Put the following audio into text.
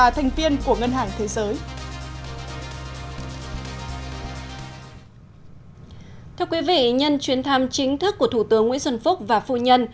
thưa quý vị nhân chuyến thăm chính thức của thủ tướng nguyễn xuân phúc và phu nhân